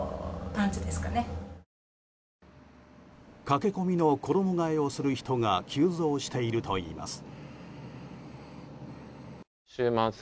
駆け込みの衣替えをする人が急増しているといいます。